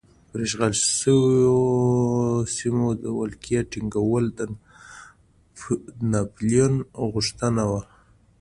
پر اشغال شویو سیمو د ولکې ټینګول د ناپلیون غوښتنه وه.